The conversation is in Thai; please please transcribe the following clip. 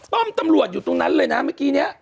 ป้อมตำรวจอยู่ตรงนั้นเลยนะเมื่อกี้นี้